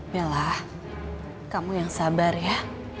mila kamu yang sabar ya